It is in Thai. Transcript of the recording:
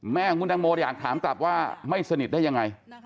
แม่ของคุณตังโมอยากถามกลับว่าไม่สนิทได้ยังไง